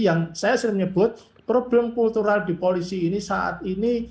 yang saya sering menyebut problem kultural di polisi ini saat ini